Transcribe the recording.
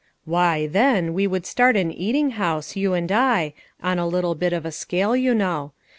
" Why, then we would start an eating house, you and I, on a little bit of a scale, you know.